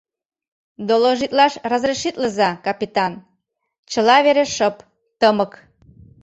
— Доложитлаш разрешитлыза, капитан: чыла вере шып, тымык.